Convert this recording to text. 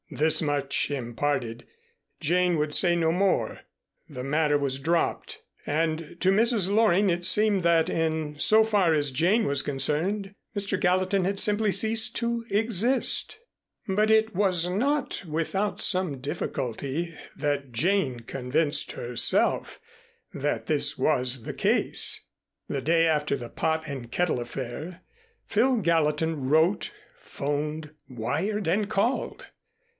This much imparted, Jane would say no more; the matter was dropped, and to Mrs. Loring it seemed that in so far as Jane was concerned, Mr. Gallatin had simply ceased to exist. But it was not without some difficulty that Jane convinced herself that this was the case. The day after the "Pot and Kettle" affair, Phil Gallatin wrote, 'phoned, wired and called.